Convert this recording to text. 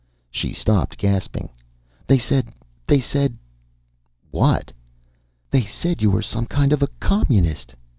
She stopped, gasping. "They said they said " "What?" "They said you were some kind of a Communist.